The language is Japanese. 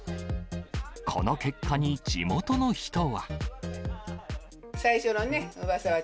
この結果に、地元の人は。